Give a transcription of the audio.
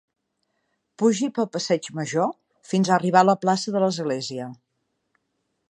Pugi pel passeig major fins a arribar a la plaça de l'església.